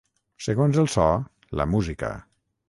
Segons el so, la música.